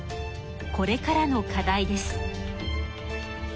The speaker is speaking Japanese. これからの課題です。